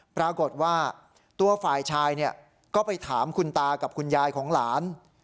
ปรากฏว่าตัวฝ่ายชายก็ไปถามคุณตากับคุณยายของหลาน